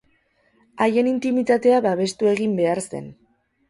Haien intimitatea babestu egin behar zen.